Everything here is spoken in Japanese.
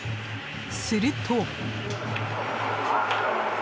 すると。